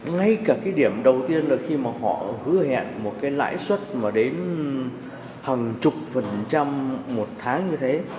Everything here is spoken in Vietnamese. ngay cả cái điểm đầu tiên là khi mà họ hứa hẹn một cái lãi suất mà đến hàng chục phần trăm một tháng như thế